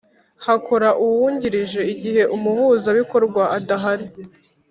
Hakora uwungirije igihe Umuhuzabikorwa adahari .